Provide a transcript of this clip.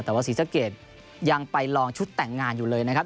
แต่ว่าศรีสะเกดยังไปลองชุดแต่งงานอยู่เลยนะครับ